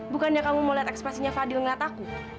bukannya kamu mau lihat ekspresinya fadil ngeliat aku